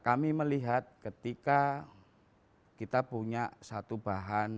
kami melihat ketika kita punya satu bahan